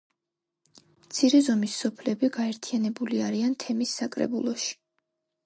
მცირე ზომის სოფლები გაერთიანებული არიან თემის საკრებულოში.